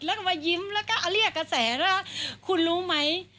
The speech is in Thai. แล้วก็มายิ้มแล้วก็เอาเรียกกับแสหร่าคุณรู้ไหม